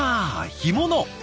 干物。